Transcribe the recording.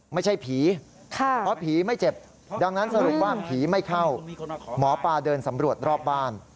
ไม่ใช่ผีเพราะผีไม่เจ็บดังนั้นสรุปว่าผีไม่เข้าหมอปลาเดินสำรวจรอบบ้าน